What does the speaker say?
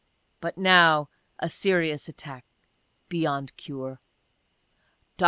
But now a serious attack, beyond cure. Dr.